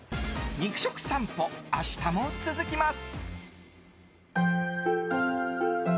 肉食さんぽ明日も続きます。